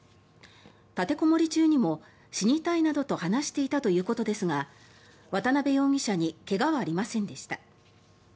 立てこもり中にも死にたいなどと話していたということですが渡辺容疑者に怪我はありませんでした。